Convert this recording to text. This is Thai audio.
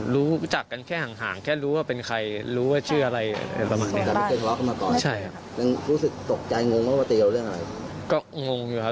รู้จักกันแค่ห่างแค่รู้ว่าเป็นใครรู้ว่าชื่ออะไรประมาณนี้